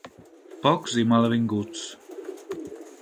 Pocs i mal avinguts.